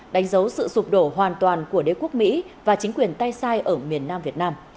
đánh dấu sự sụp đổ hoàn toàn của đế quốc mỹ và chính quyền tay sai ở miền nam việt nam